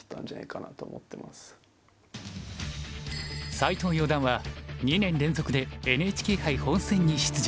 斎藤四段は２年連続でＮＨＫ杯本戦に出場。